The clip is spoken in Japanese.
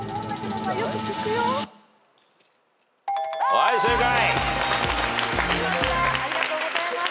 はい正解。